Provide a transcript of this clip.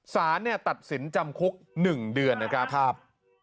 สาธารณ์ตัดสินจำคุก๑เดือนครับ